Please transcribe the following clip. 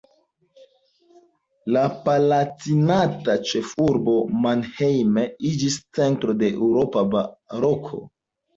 La palatinata ĉefurbo Mannheim iĝis centro de eŭropa baroko.